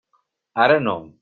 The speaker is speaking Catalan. Ara no.